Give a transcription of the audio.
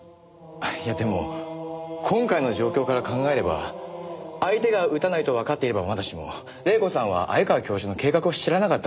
いやでも今回の状況から考えれば相手が撃たないとわかっていればまだしも黎子さんは鮎川教授の計画を知らなかった。